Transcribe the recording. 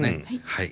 はい。